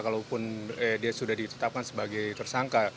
kalaupun dia sudah ditetapkan sebagai tersangka